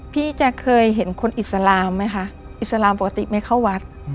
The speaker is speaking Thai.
พี่จะเคยเห็นคนอิสลามไหมคะอิสลามปกติไม่เข้าวัด